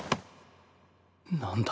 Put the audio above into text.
何だ？